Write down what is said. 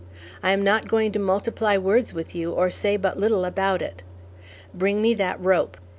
I am not going to multiply words with you or say but little about it. Bring me that rope!"